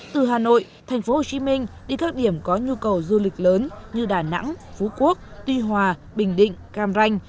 từ hà nội thành phố hồ chí minh đi các điểm có nhu cầu du lịch lớn như đà nẵng phú quốc tuy hòa bình định cam ranh